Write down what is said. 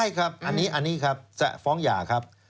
ใช่ครับอันนี้ครับจะฟ้องหย่าครับ